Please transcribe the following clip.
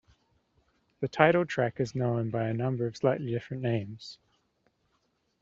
The title track is known by a number of slightly different names.